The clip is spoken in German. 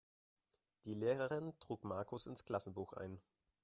Die Lehrerin trug Markus ins Klassenbuch ein.